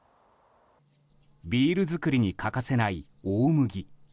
ビール造りに欠かせない大麦。